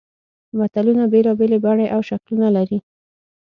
متلونه بېلابېلې بڼې او شکلونه لري